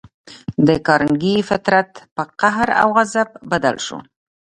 د کارنګي فطرت پر قهر او غضب بدل شو